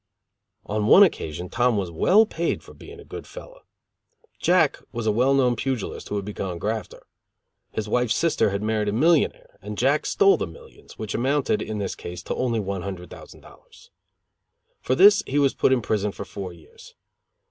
On one occasion Tom was well paid for being a good fellow. Jack was a well known pugilist who had become a grafter. His wife's sister had married a millionaire, and Jack stole the millions, which amounted, in this case, to only one hundred thousand dollars. For this he was put in prison for four years.